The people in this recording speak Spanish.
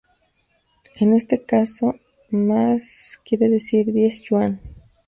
En este caso 十元 quiere decir "diez yuan".